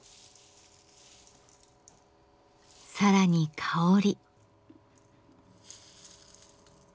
更に香り。